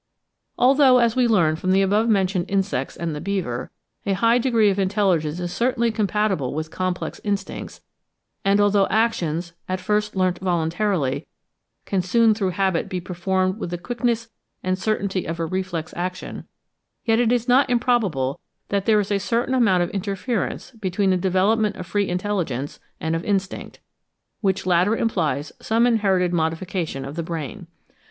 Although, as we learn from the above mentioned insects and the beaver, a high degree of intelligence is certainly compatible with complex instincts, and although actions, at first learnt voluntarily can soon through habit be performed with the quickness and certainty of a reflex action, yet it is not improbable that there is a certain amount of interference between the development of free intelligence and of instinct,—which latter implies some inherited modification of the brain.